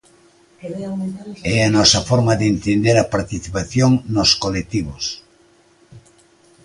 É a nosa forma de entender a participación nos colectivos.